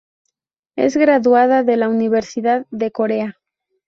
Es graduada de la Universidad de Corea.